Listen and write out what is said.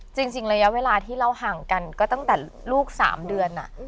จริงระยะเวลาที่เราห่างกันก็ตั้งแต่ลูก๓เดือน